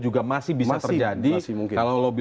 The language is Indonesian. itu yang salah ada